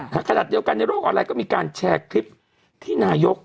ขณะเดียวกันในโลกออนไลน์ก็มีการแชร์คลิปที่นายก